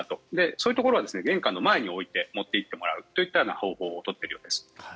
そういうところは玄関の前に置いて持っていってもらうという方法を取っているようです。